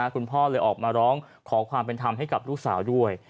คุณพ่อเลยออกมาร้องขอความเป็นธรรมให้กับลูกสาวด้วย